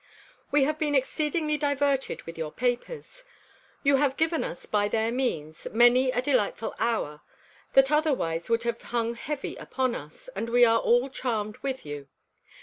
We have been exceedingly diverted with your papers. You have given us, by their means, many a delightful hour, that otherwise would have hung heavy upon us; and we are all charmed with you.